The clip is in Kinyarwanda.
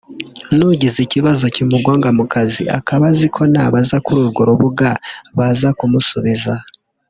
nugize ikibazo kimugonga mu kazi akaba azi ko nabaza kuri urwo rubuga bazamukusubiza